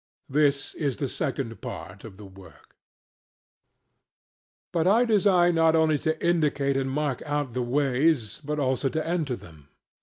This is the second part of the work. But I design not only to indicate and mark out the ways, but also to enter them.